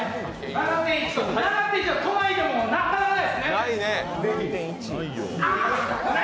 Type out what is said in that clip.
７．１度は都内でもなかなかないですね。